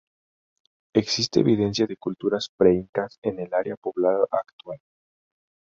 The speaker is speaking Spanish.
Existe evidencia de culturas preincas en el área poblada actual.